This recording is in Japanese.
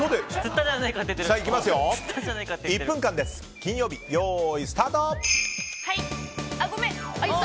金曜日、よーいスタート！